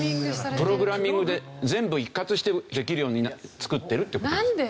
プログラミングで全部一括してできるように作ってるって事です。